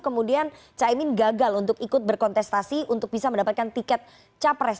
kemudian caimin gagal untuk ikut berkontestasi untuk bisa mendapatkan tiket capres